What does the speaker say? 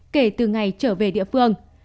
kể từ ngày trở về địa phương